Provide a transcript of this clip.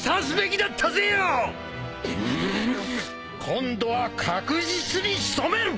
今度は確実に仕留める！